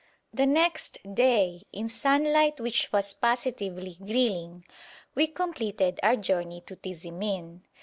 The next day, in sunlight which was positively grilling, we completed our journey to Tizimin.